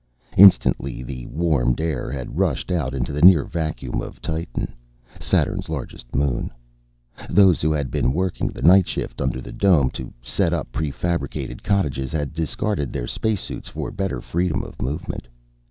Instantly the warmed air had rushed out into the near vacuum of Titan, Saturn's largest moon. Those who had been working the night shift under the dome, to set up prefabricated cottages, had discarded their spacesuits for better freedom of movement.